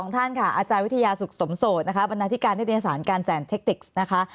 ๒ท่านค่ะอาจารย์วิทยาศุกร์สมสดนะคะบรรณาธิการทฤษฐานการแสนเทคติกนะคะ